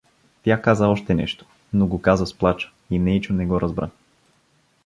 Тя каза още нещо, но го каза с плач и Нейчо не го разбра.